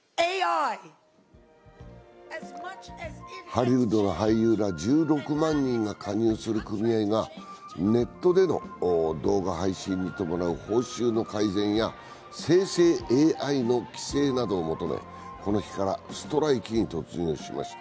ハリウッドの俳優ら１６万人が加入する組合がネットでの動画配信に伴う報酬の改善や生成ＡＩの規制などを求めこの日からストライキに突入しました。